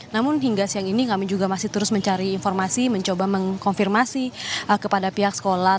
namun hingga siang ini kami juga masih terus mencari informasi mencoba mengkonfirmasi kepada pihak sekolah